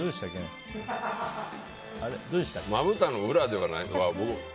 まぶたの裏ではない。